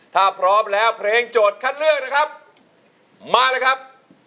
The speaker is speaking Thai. ถ้าพร้อมแล้วเพลงโจทย์คัดเลือกนะครับมาเลยครับ